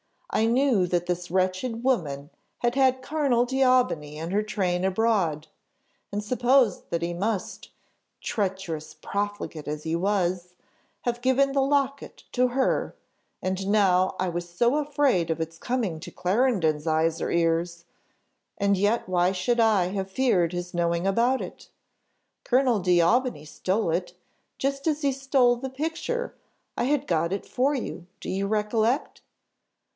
I knew that this wretched woman had had Colonel D'Aubigny in her train abroad, and supposed that he must treacherous profligate as he was have given the locket to her, and now I was so afraid of its coming to Clarendon's eyes or ears! and yet why should I have feared his knowing about it? Colonel D'Aubigny stole it, just as he stole the picture. I had got it for you, do you recollect?"